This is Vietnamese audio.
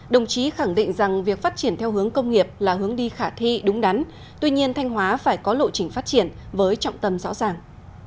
đồng chí khẳng định rằng việc phát triển theo hướng công nghiệp là hướng đi khả thi đúng đắn tuy nhiên thanh hóa phải có lộ trình phát triển với trọng tâm rõ ràng